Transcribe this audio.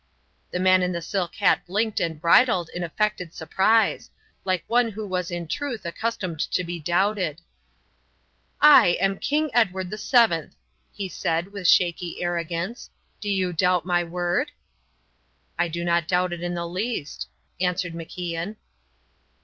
The man in the silk hat blinked and bridled in affected surprise, like one who was in truth accustomed to be doubted. "I am King Edward VII," he said, with shaky arrogance. "Do you doubt my word?" "I do not doubt it in the least," answered MacIan.